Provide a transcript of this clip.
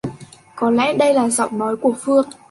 Có lẽ đây là giọng nói của Phương